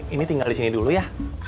ini tinggal disini dulu ya